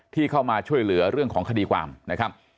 ที่เข้ามาช่วยเหลือเรื่องของคดีความนะครับ